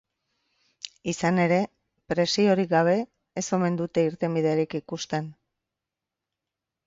Izan ere, presiorik gabe ez omen dute irtenbiderik ikusten.